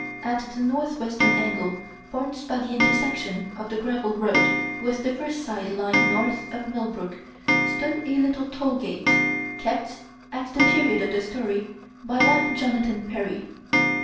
At the northwestern angle formed by the intersection of the gravel road with the first side line north of Millbrook stood a little toll gate, kept, at the period of the story, by one Jonathan Perry.